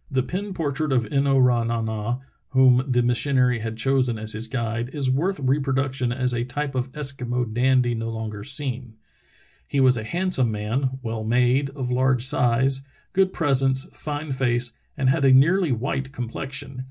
* The pen portrait of In no ra na na, whom the mis sionary had chosen as his guide, is worth reproduction as a type of Eskimo dandy no longer seen. "He was a handsome man, well made, of large size, good pres ence, fine face, and had a nearly white complexion.